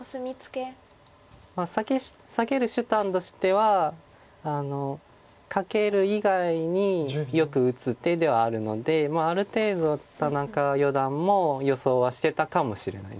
避ける手段としてはカケる以外によく打つ手ではあるのである程度田中四段も予想はしてたかもしれないです。